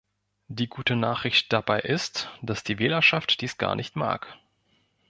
Die gute Nachricht dabei ist, dass die Wählerschaft dies gar nicht mag.